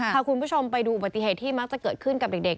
พาคุณผู้ชมไปดูอุบัติเหตุที่มักจะเกิดขึ้นกับเด็ก